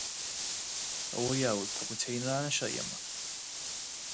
Ó a dhiabhail, tá muid féin in ann é seo a dhéanamh!